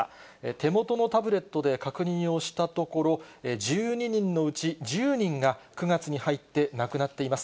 手元のタブレットで確認をしたところ、１２人のうち１０人が９月に入って亡くなっています。